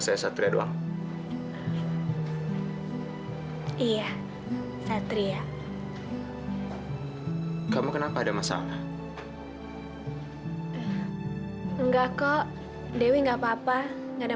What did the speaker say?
saya satria doang iya satria kamu kenapa ada masalah enggak kok dewi nggak papa nggak ada